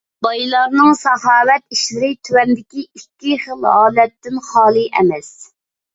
بايلارنىڭ ساخاۋەت ئىشلىرى تۆۋەندىكى ئىككى خىل ھالەتتىن خالىي ئەمەس: